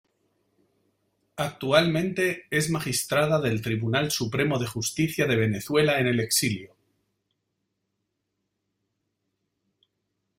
Actualmente es magistrada del Tribunal Supremo de Justicia de Venezuela en el exilio.